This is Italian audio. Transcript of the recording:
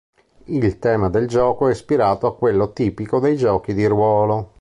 Il tema del gioco è ispirato a quello tipico dei giochi di ruolo.